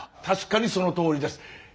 確かにそのとおりです。